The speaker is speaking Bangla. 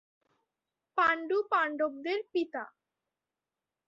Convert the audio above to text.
পাণ্ডু পাণ্ডবদের পিতা।